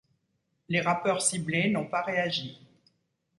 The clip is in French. Les rappeurs ciblés n'ont pas réagi.